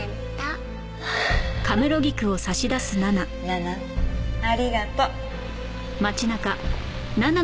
奈々ありがとう。